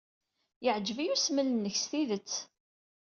Yeɛjeb-iyi usmel-nnek s tidet.